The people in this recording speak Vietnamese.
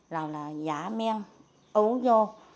rồi là giả men ố vô